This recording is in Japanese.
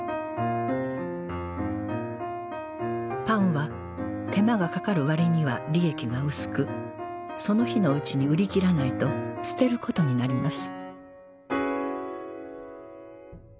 パンは手間がかかるわりには利益が薄くその日のうちに売り切らないと捨てることになります